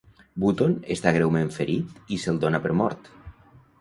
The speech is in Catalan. Button està greument ferit i se'l dona per mort.